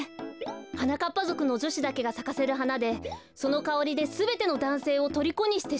はなかっぱぞくのじょしだけがさかせるはなでそのかおりですべてのだんせいをとりこにしてしまう。